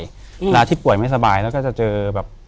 เวลาที่ป่วยไม่สบายแล้วก็จะเจอแบบ